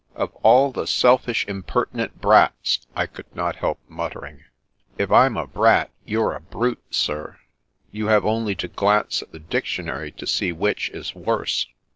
" Of all the selfish, impertinent brats !" I could not help muttering. " If I'm a brat, you're a brute, sir. You have only to glance at the dictionary to see which is worse."